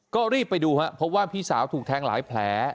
ก็รีบไปดูครับพบว่าพี่สาวถูกแทงหลายแผล